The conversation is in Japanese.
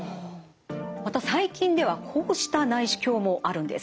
また最近ではこうした内視鏡もあるんです。